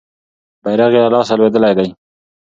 بیرغ یې له لاسه لویدلی دی.